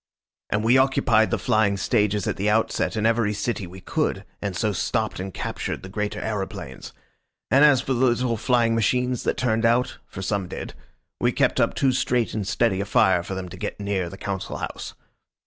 And we occupied the flying stages at the outset in every city we could, and so stopped and captured the greater aeroplanes, and as for the little flying machines that turned out for some did we kept up too straight and steady a fire for them to get near the Council House.